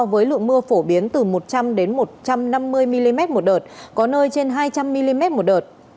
với lượng mưa phổ biến từ một trăm linh một trăm năm mươi mm một đợt có nơi trên hai trăm linh mm một đợt